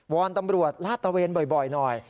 อนตำรวจลาดตะเวนบ่อยหน่อย